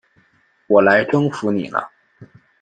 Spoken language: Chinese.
我来征服你了！